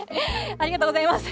ありがとうございます。